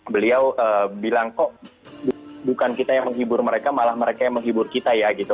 beliau bilang kok bukan kita yang menghibur mereka malah mereka yang menghibur kita ya gitu